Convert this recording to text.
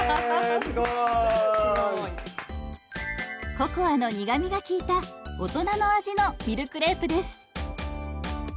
ココアの苦みが利いた大人の味のミルクレープです。